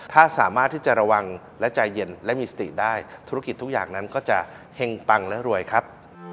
ถ้าสามารถที่จะระวังและใจเย็นและมีสติได้ธุรกิจทุกอย่างนั้นก็จะเห็งปังและรวยครับ